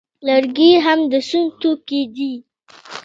لرګي هم د سون توکي دي